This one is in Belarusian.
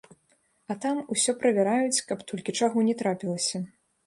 А там усё правяраюць, каб толькі чаго не трапілася.